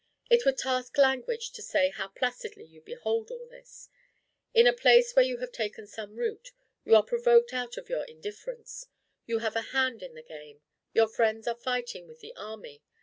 It would task language to say how placidly you behold all this. In a place where you have taken some root, you are provoked out of your indifference; you have a hand in the game; your friends are fighting with the army.